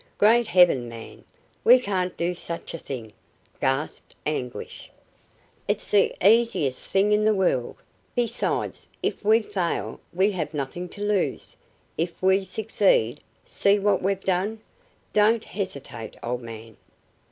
"Great heaven, man! We can't do such a thing!" gasped Anguish. "It's the easiest thing in the world. Besides, if we fail, we have nothing to lose. If we succeed, see what we've done! Don't hesitate, old man!